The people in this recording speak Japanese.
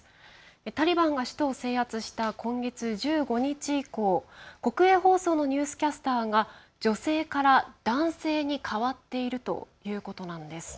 タリバンが首都を制圧した今月１５日以降国営放送のニュースキャスターが女性から男性に代わっているということです。